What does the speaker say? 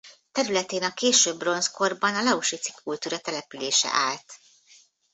Területén a késő bronzkorban a lausitzi kultúra települése állt.